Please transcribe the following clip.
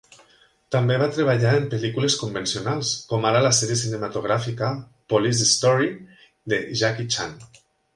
També va treballar en pel·lícules convencionals, com ara la sèrie cinematogràfica "Police Story", de Jackie Chan.